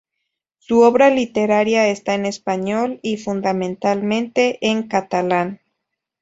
Su obra literaria está en español y, fundamentalmente, en catalán.